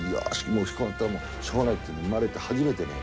こうなったらしょうがないっていうんで生まれて初めてね